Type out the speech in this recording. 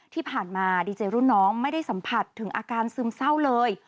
ที่ผ่านมาดีเจรุ่นน้องไม่ได้สัมผัสถึงอาการซึมเศร้าเลย